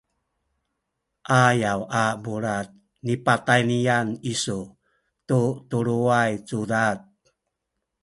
ayaw a bulad nipatayniyan isu tu tuluway cudad